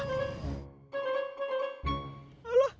bisa gak bisa berhenti